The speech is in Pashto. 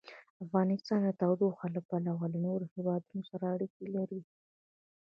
افغانستان د تودوخه له پلوه له نورو هېوادونو سره اړیکې لري.